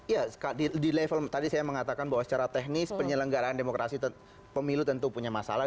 ya di level tadi saya mengatakan bahwa secara teknis penyelenggaraan demokrasi pemilu tentu punya masalah